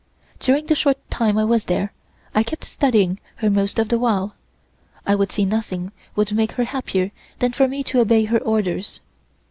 During the short time I was there I kept studying her most of the while. I could see nothing would make her happier than for me to obey her orders.